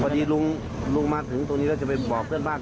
พอดีลุงมาถึงตรงนี้แล้วจะไปบอกเพื่อนบ้าน